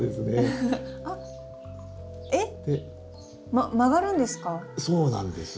ま曲がるんですか？